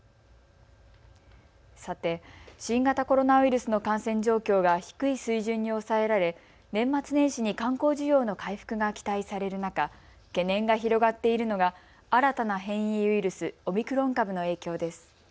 さて、新型コロナウイルスの感染状況が低い水準に抑えられ、年末年始に観光需要の回復が期待される中、懸念が広がっているのが新たな変異ウイルス、オミクロン株の影響です。